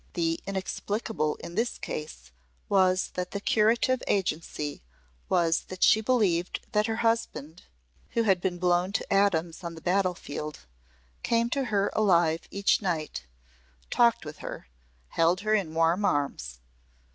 The inexplicable in this case was that the curative agency was that she believed that her husband, who had been blown to atoms on the battle field, came to her alive each night talked with her held her in warm arms.